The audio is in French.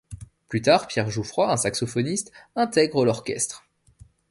Plus tard, Pierre Jouffroy, un saxophoniste, intègre l'orchestre.